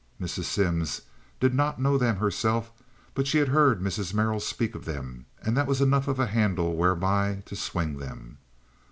Mrs. Simms did not know them herself, but she had heard Mrs. Merrill speak of them, and that was enough of a handle whereby to swing them.